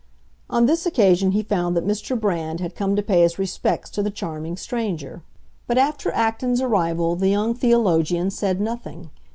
On this occasion he found that Mr. Brand had come to pay his respects to the charming stranger; but after Acton's arrival the young theologian said nothing.